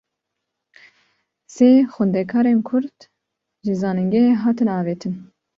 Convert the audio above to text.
Sê xwendekarên Kurd, ji zanîngehê hatin avêtin